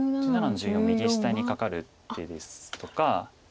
１７の十四右下にカカる手ですとか。